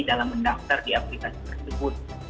dalam mendaftar di aplikasi tersebut